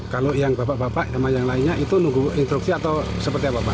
kalau yang bapak bapak sama yang lainnya itu nunggu instruksi atau seperti apa pak